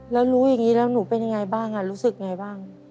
แล้วรู้อย่างนี้แล้วหนูเป็นยังไงบ้างรู้สึกยังไงบ้าง